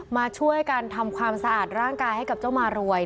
มาช่วยกันทำความสะอาดร่างกายให้กับเจ้ามารวย